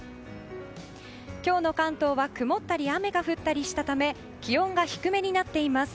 今日の関東は曇ったり雨が降ったりしたため気温が低めになっています。